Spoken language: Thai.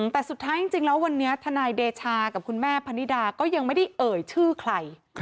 แต่สุดท้ายจริงแล้ววันนี้ทนายเดชากับคุณแม่พนิดาก็ยังไม่ได้เอ่ยชื่อใคร